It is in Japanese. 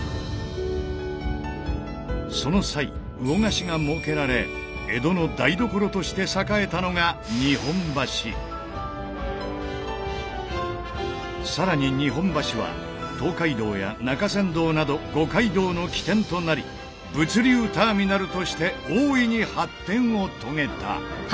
その際魚河岸が設けられ江戸の台所として栄えたのがさらに日本橋は東海道や中山道など五街道の起点となり物流ターミナルとして大いに発展を遂げた。